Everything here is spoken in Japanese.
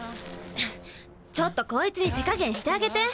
ちょっとこいつに手加減してあげて！